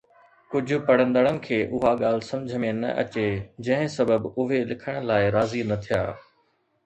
ڪجهه پڙهندڙن کي اها ڳالهه سمجهه ۾ نه اچي، جنهن سبب اهي لکڻ لاءِ راضي نه ٿيا